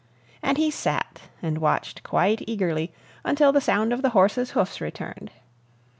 And he sat and watched quite eagerly until the sound of the horses' hoofs returned.